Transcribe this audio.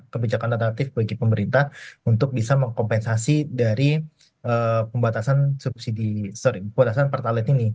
kebijakan alternatif bagi pemerintah untuk bisa mengkompensasi dari pembatasan subsidi sorry pembatasan pertalat ini